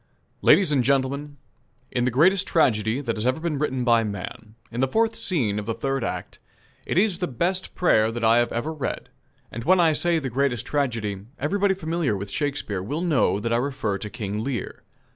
LADIES AND GENTLEMEN: In the greatest tragedy that has ever been written by man in the fourth scene of the third act is the best prayer that I have ever read; and when I say "the greatest tragedy," everybody familiar with Shakespeare will know that I refer to "King Lear."